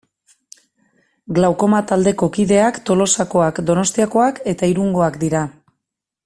Glaukoma taldeko kideak Tolosakoak, Donostiakoak eta Irungoak dira.